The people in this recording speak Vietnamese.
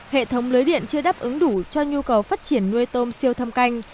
hệ thống lưới điện chưa đáp ứng đủ cho nhu cầu phát triển nuôi tôm siêu thâm canh